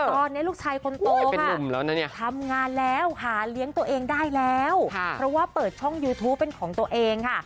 ตอนนี้ลูกชายคนโตเป็นนุ่มทำงานแล้วหาเลี้ยงตัวเองได้แล้วเพราะว่าเปิดช่องยูทูปเป็นของตัวเองค่ะ